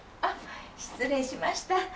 あっ失礼しました。